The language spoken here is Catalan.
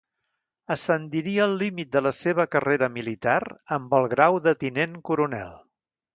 Ascendiria al límit de la seva carrera militar amb el grau de tinent coronel.